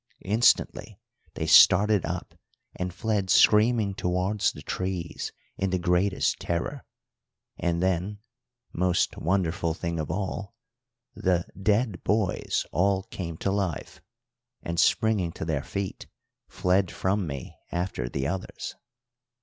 Instantly they started up and fled screaming towards the trees in the greatest terror; and then, most wonderful thing of all, the dead boys all came to life, and, springing to their feet, fled from me after the others.